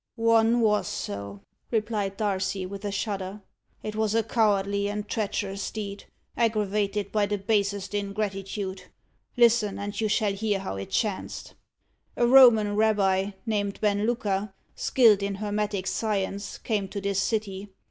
"One was so," replied Darcy, with a shudder. "It was a cowardly and treacherous deed, aggravated by the basest ingratitude. Listen, and you shall hear how it chanced. A Roman rabbi, named Ben Lucca, skilled in hermetic science, came to this city.